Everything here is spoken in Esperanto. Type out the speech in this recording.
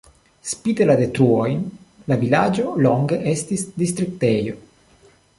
Spite la detruojn la vilaĝo longe estis distriktejo.